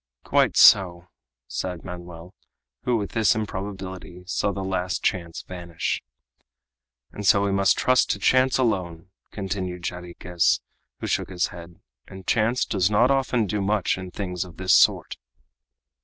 "Quite so!" sighed Manoel, who, with this improbability, saw the last chance vanish. "And so we must trust to chance alone," continued Jarriquez, who shook his head, "and chance does not often do much in things of this sort."